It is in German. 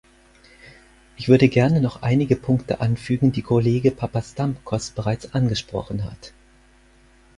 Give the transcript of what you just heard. Ich würde gerne noch einige Punkte anfügen, die Kollege Papastamkos bereits angesprochen hat.